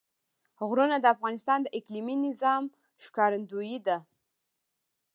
غرونه د افغانستان د اقلیمي نظام ښکارندوی ده.